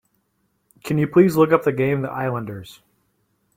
Can you please look up the game, The Islanders?